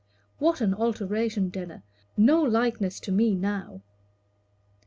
"What an alteration, Denner! No likeness to me now."